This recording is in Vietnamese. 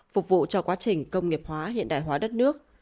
phục vụ cho quá trình công nghiệp hóa hiện đại hóa đất nước